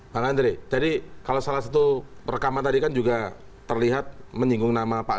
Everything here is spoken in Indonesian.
bang andre jadi kalau salah satu rekaman tadi kan juga terlihat menyinggung nama pak